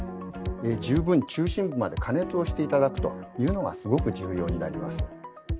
十分中心部まで加熱をして頂くというのがすごく重要になります。